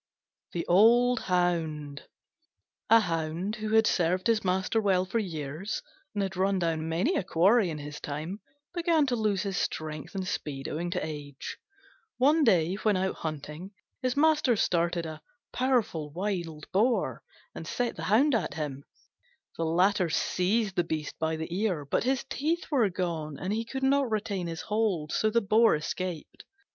THE OLD HOUND A Hound who had served his master well for years, and had run down many a quarry in his time, began to lose his strength and speed owing to age. One day, when out hunting, his master started a powerful wild boar and set the Hound at him. The latter seized the beast by the ear, but his teeth were gone and he could not retain his hold; so the boar escaped.